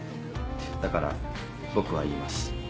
だから僕は言います。